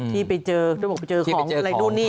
ที่เกิดไปไปเจอที่เกิดไปกันอะไรดูดนี้